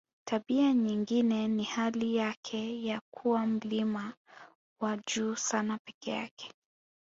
Tabia nyingine ni hali yake ya kuwa mlima wa juu sana peke yake